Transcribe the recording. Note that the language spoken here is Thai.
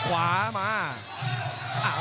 ขวามา